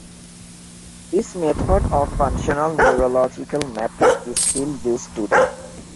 This method of functional neurological mapping is still used today.